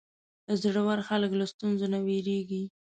زړور خلک له ستونزو نه وېرېږي.